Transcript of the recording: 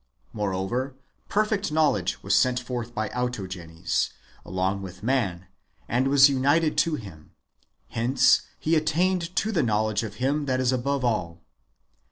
Moreover, perfect knowledge was sent forth by Autogenes along with man, and was united to him ; hence he attained to the knowledge of him that is above all.